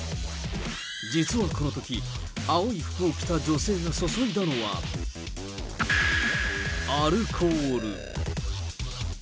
実はこのとき、青い服を着た女性が注いだのは、アルコール。